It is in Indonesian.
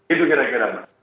itu kira kira pak